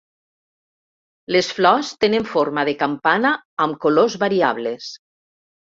Les flors tenen forma de campana amb colors variables.